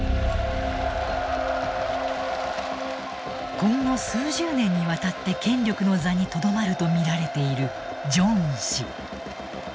今後数十年にわたって権力の座にとどまると見られているジョンウン氏。